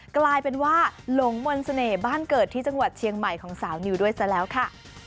กลายเป็นว่าหลงมนต์เสน่ห์บ้านเกิดที่จังหวัดเชียงใหม่ของสาวนิวด้วยซะแล้วค่ะ